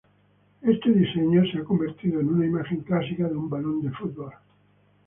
Este diseño se ha convertido en una imagen clásica de un balón de fútbol.